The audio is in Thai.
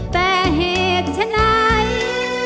แต่เหตุฉันไหน